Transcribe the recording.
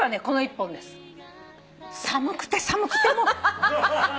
この１本でね。